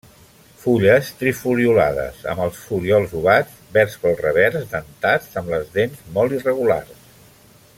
Fulles trifoliolades, amb els folíols ovats, verds pel revers, dentats, amb les dents molt irregulars.